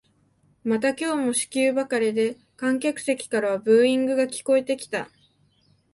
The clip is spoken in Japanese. また今日も四球ばかりで観客席からはブーイングが聞こえてきた